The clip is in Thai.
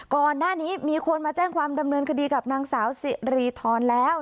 ก่อนหน้านี้มีคนมาแจ้งความดำเนินคดีกับนางสาวสิริธรแล้ว